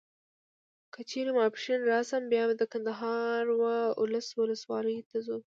که چیري ماپښین راسم بیا به د کندهار و اولس ولسوالیو ته ځو.